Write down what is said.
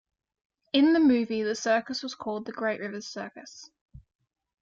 In the movie the circus was called the Great Rivers Circus.